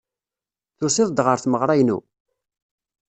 Tusiḍ-d ɣer tmeɣra-inu?